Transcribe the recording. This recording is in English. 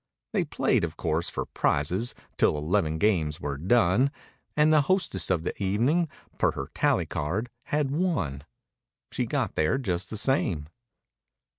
They played, of course, for prizes, 'till eleven games were done. And the hostess of the evening, per her tally card had won— She got there just the same.